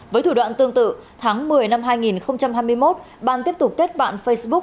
với thủ đoạn tương tự tháng một mươi năm hai nghìn hai mươi một ban tiếp tục kết bạn facebook